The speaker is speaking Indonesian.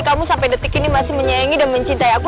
kamu sampai detik ini masih menyayangi dan mencintai aku